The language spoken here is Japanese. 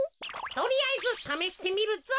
とりあえずためしてみるぞ。